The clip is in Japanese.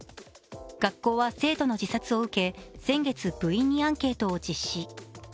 学校は生徒の自殺を受け、先月部員にアンケートを実施。